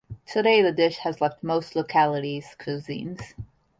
Today the dish has left most localities' cuisines.